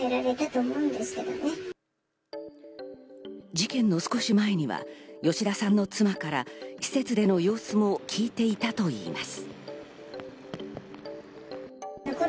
事件の少し前には吉田さんの妻から施設での様子も聞いていたといいます。